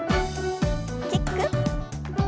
キック。